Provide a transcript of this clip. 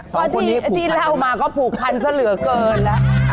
พอที่จี๊ระเอามาก็ผูกพันเสียเหลือเกินละ